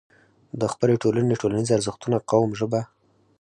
د خپلې ټولنې، ټولنيز ارزښتونه، قوم، ژبه